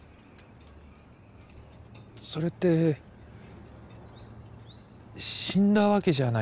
それって死んだわけじゃないですよね。